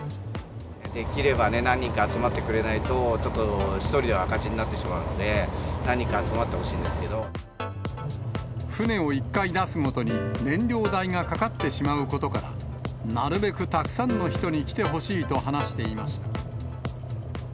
できれば、何人か集まってくれないと、ちょっと１人では赤字になってしまうので、船を１回出すごとに燃料代がかかってしまうことから、なるべくたくさんの人に来てほしいと話していました。